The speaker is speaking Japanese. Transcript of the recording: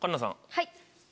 はい。